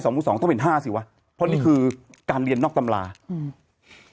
มือสองต้องเป็นห้าสิวะเพราะนี่คือการเรียนนอกตำราอืม